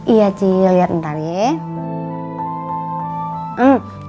iya cil liat ntar ye